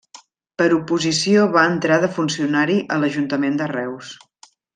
Per oposició va entrar de funcionari a l'ajuntament de Reus.